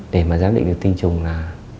để mà giám định được tin chung là